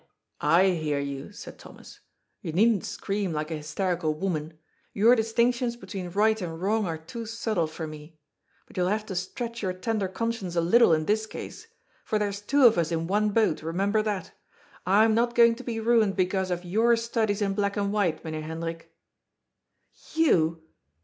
" I hear you," said Thomas. " You needn't scream, like a hysterical woman. Your distinctions between right and wrong are too subtle for me. But you will have to stretch your tender conscience a little in this case. For there's two of us in one boat ; remember that. I am not going to be ruined, because of your studies in black and white, Mynheer Hendrik." « You